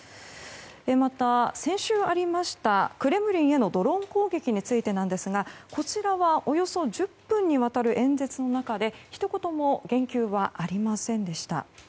また、先週ありましたクレムリンへのドローン攻撃についてなんですがこちらはおよそ１０分にわたる演説の中でひと言も言及はありませんでした。